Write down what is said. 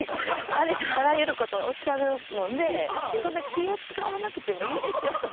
ありとあらゆることおっしゃるのでそんな気を使わなくてもいいですよと。